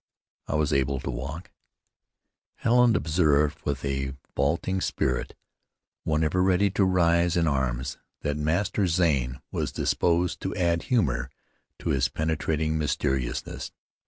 "I was able to walk." Helen observed, with a vaulting spirit, one ever ready to rise in arms, that Master Zane was disposed to add humor to his penetrating mysteriousness.